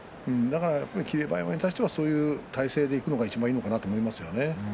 霧馬山に対してはそういう体勢でいくのがいちばんいいかなと思いますよね。